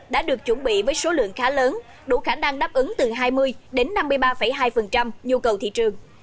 đã được chuẩn bị với số lượng khá lớn đủ khả năng đáp ứng từ hai mươi đến năm mươi ba hai nhu cầu thị trường